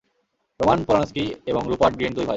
Roman Polanski এবং Rupert Grint দুই ভাই।